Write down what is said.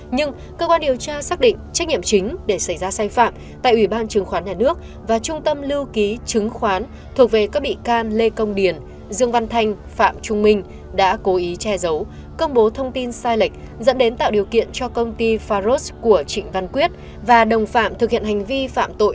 nhưng cơ quan điều tra xác định trách nhiệm chính để xảy ra sai phạm tại ủy ban chứng khoán nhà nước và trung tâm lưu ký chứng khoán thuộc về các bị can lê công điền dương văn thanh phạm trung minh đã cố ý che giấu công bố thông tin sai lệch dẫn đến tạo điều kiện cho công ty faros của trịnh văn quyết và đồng phạm thực hiện hành vi phạm tội